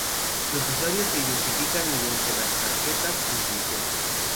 Los usuarios se identifican mediante las tarjetas inteligentes.